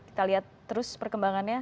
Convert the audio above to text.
kita lihat terus perkembangannya